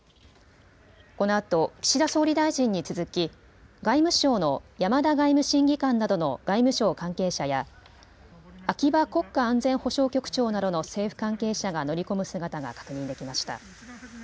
このあと岸田総理大臣に続き外務省の山田外務審議官などの外務省関係者や秋葉国家安全保障局長などの政府関係者が乗り込む姿が確認できました。